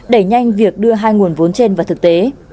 đẩy nhanh việc đưa hai nguồn vốn trên vào thực tế